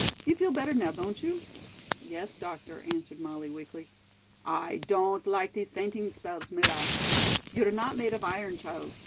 You feel better now, don't you?" "Yes, doctor," answered Molly weakly. "I don't like these fainting spells, my lass. You're not made of iron, child.